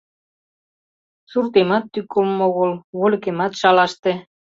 Суртемат тӱкылымӧ огыл, вольыкемат шалаште.